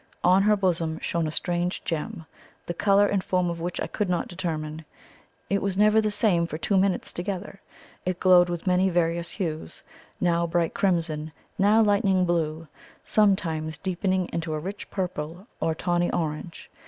On her bosom shone a strange gem, the colour and form of which I could not determine. It was never the same for two minutes together. It glowed with many various hues now bright crimson, now lightning blue, sometimes deepening into a rich purple or tawny orange.